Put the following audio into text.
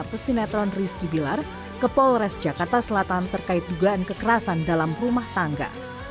pesinetron rizky bilar ke polres jakarta selatan terkait dugaan kekerasan dalam rumah tangga